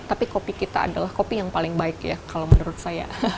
tapi kopi kita adalah kopi yang paling baik ya kalau menurut saya